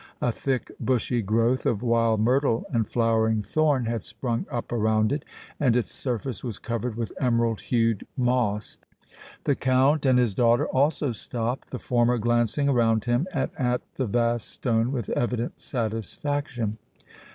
A thick, bushy growth of wild myrtle and flowering thorn had sprung up around it, and its surface was covered with emerald hued moss. The Count and his daughter also stopped, the former glancing around him and at the vast stone with evident satisfaction.